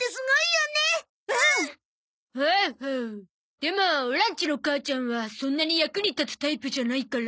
でもオラんちの母ちゃんはそんなに役に立つタイプじゃないから。